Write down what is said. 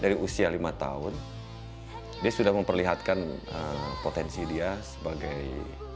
dari usia lima tahun dia sudah memperlihatkan potensi dia sebagai